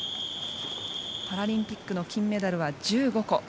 パラリンピックの金メダルは１５個。